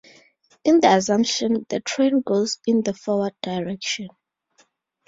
In the assumption the train goes in the forward direction.